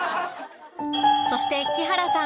そして木原さん